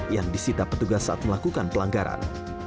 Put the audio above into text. yang disita petugas saat melakukan pelanggaran